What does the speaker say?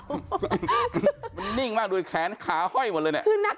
มันนิ่งมากด้วยแขนขาห้อยหมดเลยเนี่ย